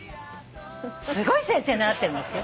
すごい先生に習ってるんですよ。